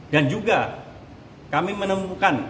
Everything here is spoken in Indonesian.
dan juga kami menemukan